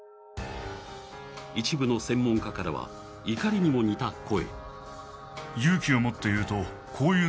一部の専門家からは怒りにも似た声。